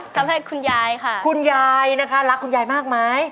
ทำให้คุณยายค่ะคุณยายนะคะรักคุณยายมากไหม